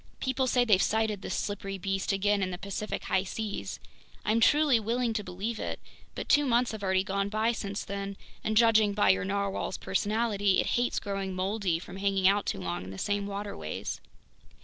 People say they've sighted this slippery beast again in the Pacific high seas—I'm truly willing to believe it, but two months have already gone by since then, and judging by your narwhale's personality, it hates growing moldy from hanging out too long in the same waterways!